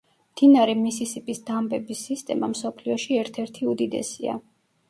მდინარე მისისიპის დამბების სისტემა მსოფლიოში ერთ-ერთი უდიდესია.